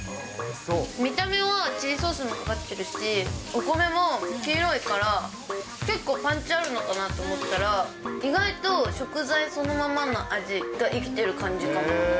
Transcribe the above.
見た目はチリソースもかかってるし、お米も黄色いから、結構パンチあるのかなと思ったら、意外と食材そのままの味が生きてる感じ